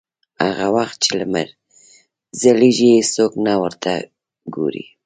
هغه وخت چې لمر ځلېږي هېڅوک نه ورته ګوري.